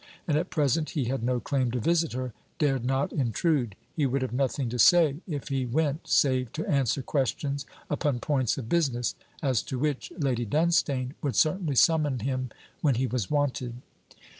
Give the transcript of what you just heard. And at present he had no claim to visit her, dared not intrude. He would have nothing to say, if he went, save to answer questions upon points of business: as to which, Lady Dunstane would certainly summon him when he was wanted.